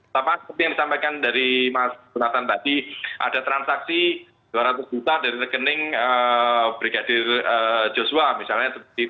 sama seperti yang disampaikan dari mas burhatan tadi ada transaksi dua ratus juta dari rekening brigadir joshua misalnya